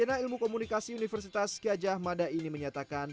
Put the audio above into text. sarjana ilmu komunikasi universitas kiajah mada ini menyatakan